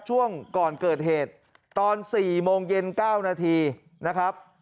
ช่วงก่อนเกิดเหตุตอน๔โมงเย็น๙นาทีนะครับ